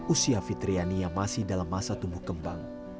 usia fitriani yang masih dalam masa tumbuh kembang